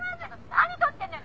「何撮ってるのよ！